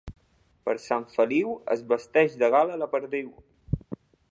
Per Sant Feliu es vesteix de gala la perdiu.